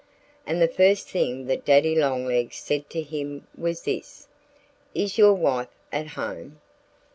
And the first thing that Daddy Longlegs said to him was this: "Is your wife at home?"